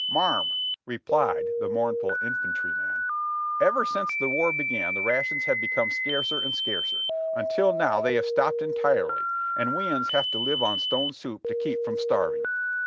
"Marm," replied the mournful infantryman, "ever since the war began the rations have become scarcer and scarcer, until now they have stopped entirely and we uns have to live on stone soup to keep from starving."